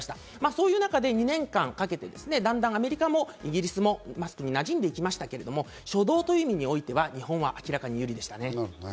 そういう中で２年間かけて、だんだんアメリカもイギリスもマスクに馴染んで行きましたけど、初動という意味においては日本は明らかに有利でしたね。